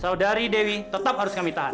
saudari dewi tetap harus kami tahan